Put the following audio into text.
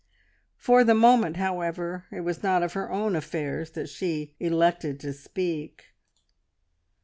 For the moment, however, it was not of her own affairs that she elected to speak.